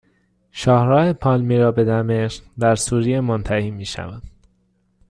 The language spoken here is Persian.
شاهراه پالمیرا به دمشق در سوریه منتهی میشود